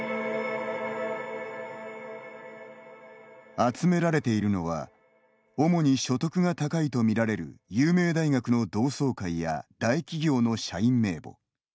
集められているのは主に所得が高いとみられる有名大学の同窓会や大企業の社員名簿。